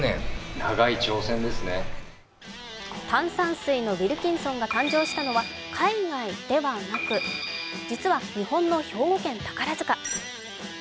炭酸水のウィルキンソンが誕生したのは海外ではなく、実は日本の兵庫県宝塚。